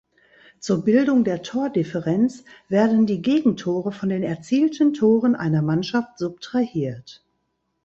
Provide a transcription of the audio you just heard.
Zur Bildung der Tordifferenz werden die Gegentore von den erzielten Toren einer Mannschaft subtrahiert.